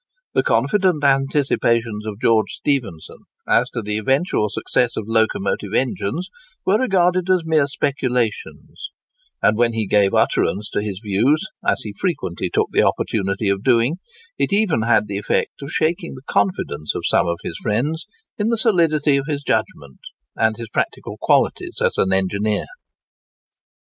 The confident anticipations of George Stephenson, as to the eventual success of locomotive engines, were regarded as mere speculations; and when he gave utterance to his views, as he frequently took the opportunity of doing, it even had the effect of shaking the confidence of some of his friends in the solidity of his judgment and his practical qualities as an engineer.